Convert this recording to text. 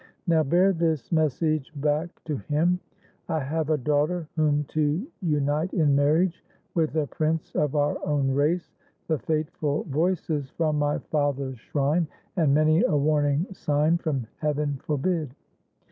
Now bear this message back To him: I have a daughter, whom to unite In marriage with a prince of our own race. The fateful voices from my father's shrine And many a warning sign from heaven forbid.